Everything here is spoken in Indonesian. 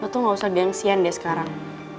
tuh gak usah gengsian deh sekarang